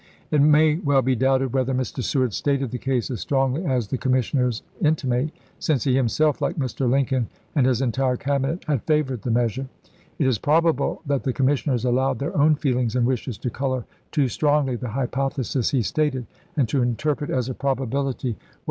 It may well be doubted whether Mr. Seward stated the case as strongly as the commissioners intimate, since he himself, like Mr. Lincoln and his entire cabinet, had favored the measure. It is probable that the commissioners allowed their own feelings and wishes to color too strongly the hypothesis he stated, and to interpret as a probability what 126 ABRAHAM LINCOLN chap.